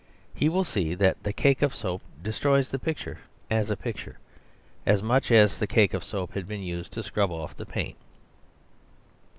He will see that the cake of soap destroys the picture as a picture; as much as if the cake of soap had been used to Scrub off the paint.